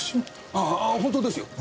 ああ本当ですよ。